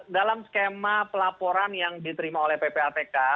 dalam skema pelaporan yang diterima oleh ppatk